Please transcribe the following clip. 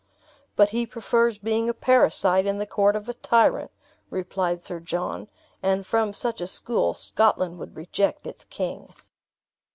"But he prefers being a parasite in the court of a tyrant," replied Sir John; "and from such a school, Scotland would reject its king."